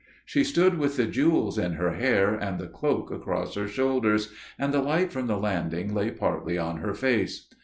She stood with the jewels in her hair, and the cloak across her shoulders, and the light from the landing lay partly on her face.